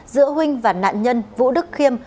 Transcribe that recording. giữa huynh và nạn nhân vũ đức kiêm